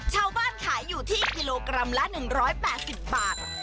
ชาวบ้านขายอยู่ที่กิโลกรัมละ๑๘๐บาท